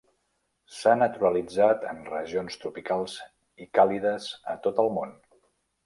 S'ha naturalitzat en regions tropicals i càlides a tot el món.